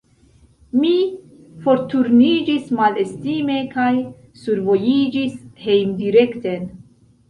Mi forturniĝis malestime kaj survojiĝis hejmdirekten.